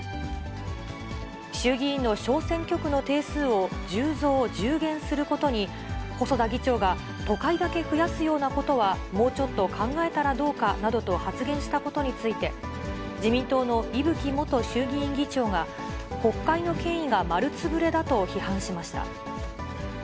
衆議院の小選挙区の定数を１０増１０減することに、細田議長が、都会だけ増やすようなことは、もうちょっと考えたらどうかなどと発言したことについて、自民党の伊吹元衆議院議長が、国会の権威が丸つぶれだと批判しました。